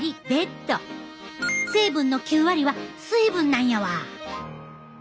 成分の９割は水分なんやわ。